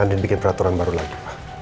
bikin peraturan baru lagi